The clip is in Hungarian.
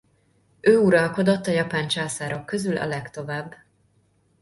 Ő uralkodott a japán császárok közül a legtovább.